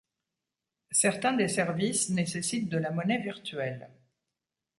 Certains des services nécessitent de la monnaie virtuelle.